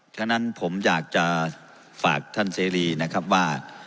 ฉะนั้นผมอยากจะฝากท่านเสรีนะครับว่า